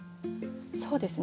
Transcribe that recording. そうですね。